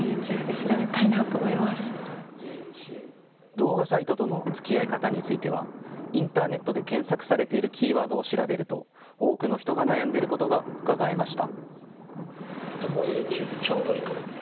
動画サイトとのつきあい方についてはインターネットで検索されているキーワードを調べると多くの人が悩んでいることがうかがえました。